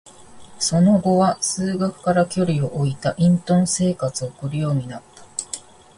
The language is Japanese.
その後は、数学から距離を置いた隠遁生活を送るようになった。